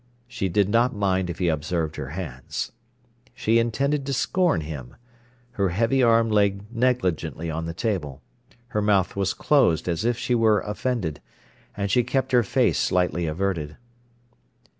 She did not mind if he observed her hands. She intended to scorn him. Her heavy arm lay negligently on the table. Her mouth was closed as if she were offended, and she kept her face slightly averted.